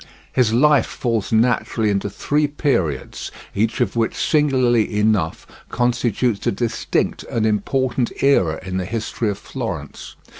His life falls naturally into three periods, each of which singularly enough constitutes a distinct and important era in the history of Florence.